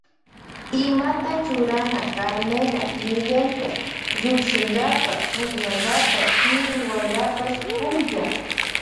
Imata churana Carmela Miguelpash llukshinkapa pukllankapa chiri wayrapash punlla.